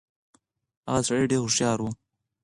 هغه سړی ډېر هوښيار و.